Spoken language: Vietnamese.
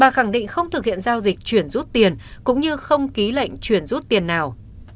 khẳng định không thực hiện giao dịch chuyển rút tiền cũng như không ký lệnh chuyển rút tiền nào